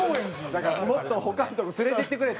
だからもっと他のとこ連れていってくれと。